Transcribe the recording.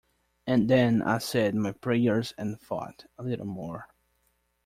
And then I said my prayers and thought a little more.